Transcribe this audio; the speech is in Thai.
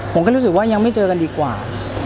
ผมก็รู้สึกว่ายังไม่เจอกันดีกว่า